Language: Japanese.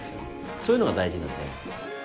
そういうのが大事なんで。